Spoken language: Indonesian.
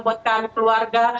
buat kami keluarga